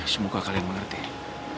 semoga kalian mengerti